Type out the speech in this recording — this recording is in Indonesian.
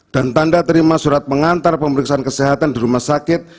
dan tanda terima surat pengantar pemeriksaan kesehatan di rumah sakit